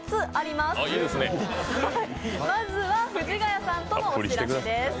まずは、藤ヶ谷さんとのお知らせです。